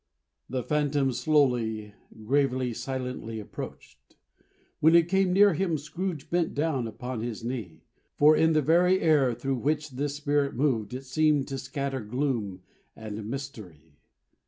The Phantom slowly, gravely, silently, approached. When it came near him, Scrooge bent down upon his knee; for in the very air through which this Spirit moved it seemed to scatter gloom and mystery.